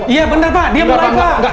iya benar pak dia marah pak